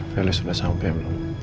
felis sudah sampai belum